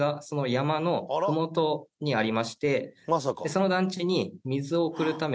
その団地に。